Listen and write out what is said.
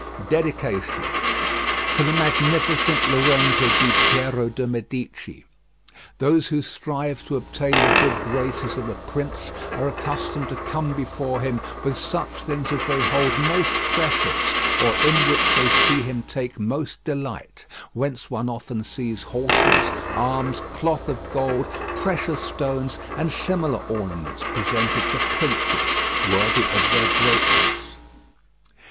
DEDICATION To the Magnificent Lorenzo Di Piero De' Medici Those who strive to obtain the good graces of a prince are accustomed to come before him with such things as they hold most precious, or in which they see him take most delight; whence one often sees horses, arms, cloth of gold, precious stones, and similar ornaments presented to princes, worthy of their greatness.